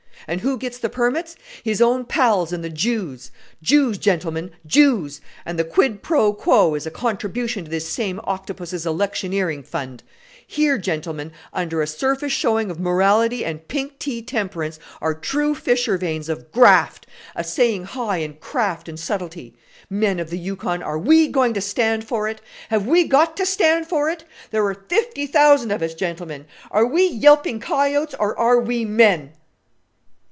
And who gets the permits? His own pals and the Jews. Jews, gentlemen, Jews! and the quid pro quo is a contribution to this same Octopus's electioneering fund. Here, gentlemen, under a surface showing of morality and pink tea temperance, are true fissure veins of graft, assaying high in craft and subtlety. Men of the Yukon, are we going to stand for it? Have we got to stand for it? There are fifty thousand of us, gentlemen! Are we yelping coyotes or are we men?"